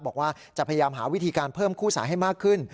บอกว่าจะพยายามหาวิธีการเพิ่มคู่สายให้มากขึ้น